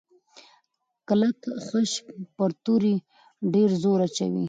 کلک خج پر توري ډېر زور اچوي.